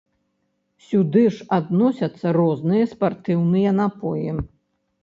Сюды ж адносяцца розныя спартыўныя напоі.